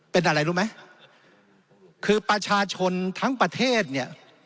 เป็นอะไรรู้ไหมคือประชาชนทั้งประเทศเนี่ย